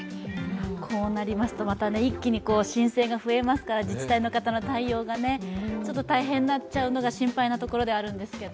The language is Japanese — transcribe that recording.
こうなりますと一気に申請が増えますから自治体の方の対応がちょっと大変になっちゃうのが心配なところではあるんですけど。